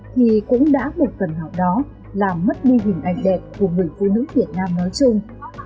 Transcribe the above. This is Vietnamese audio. thì cũng đã một phần nào đó làm mất đi hình ảnh đẹp của người phụ nữ việt nam nói chung